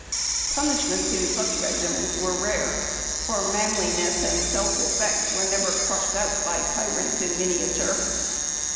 Punishments in such regiments were rare, for manliness and self respect were never crushed out by tyrants in miniature.